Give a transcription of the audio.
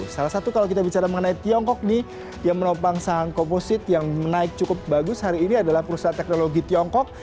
salah satu kalau kita bicara mengenai tiongkok nih yang menopang saham komposit yang menaik cukup bagus hari ini adalah perusahaan teknologi tiongkok